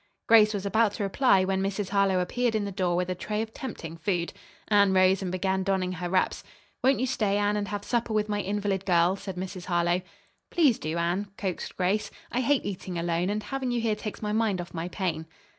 Grace was about to reply when Mrs. Harlowe appeared in the door with a tray of tempting food. Anne rose and began donning her wraps. "Won't you stay, Anne, and have supper with my invalid girl?" said Mrs. Harlowe. "Please do, Anne," coaxed Grace. "I hate eating alone, and having you here takes my mind off my pain."